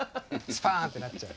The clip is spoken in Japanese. スパンってなっちゃう。